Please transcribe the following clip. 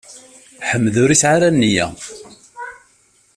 Ḥmed ur yesɛi ara nniya.